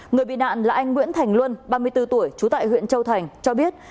người bị nạn là anh nguyễn thành luân ba mươi bốn tuổi trú tại huyện châu thành cho biết